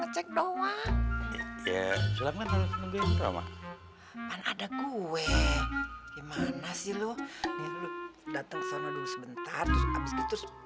cek doang ya sulamnya lebih drama ada gue gimana sih lu datang sana dulu sebentar terus